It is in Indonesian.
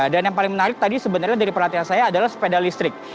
dan yang paling menarik tadi sebenarnya dari perhatian saya adalah sepeda listrik